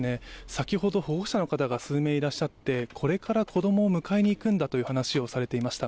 先ほど保護者の方が数名いらっしゃってこれから子供を迎えに行くんだと話をされていました。